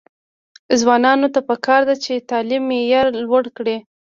ځوانانو ته پکار ده چې، تعلیم معیار لوړ کړي.